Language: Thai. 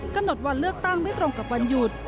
กำหนดวันเลือกตั้งไม่ตรงกับวันหยุด